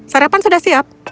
sarapan sudah siap